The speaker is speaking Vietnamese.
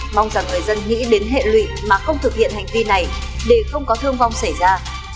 mong rằng người dân nghĩ đến hệ lụy mà không thực hiện hành vi này để không có thương vong xảy ra